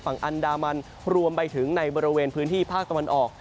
ฝั่งอันดามันรวมไปถึงในบริเวณพื้นที่ภาคตะวันออก